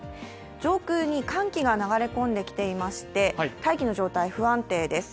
上空に寒気が流れ込んできまして大気の状態、不安定です。